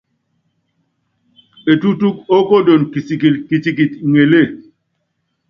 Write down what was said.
Etútúk ókondon kisikɛl kitikit iŋélé.